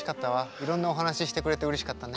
いろんなお話してくれてうれしかったね。